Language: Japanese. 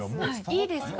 いいですか？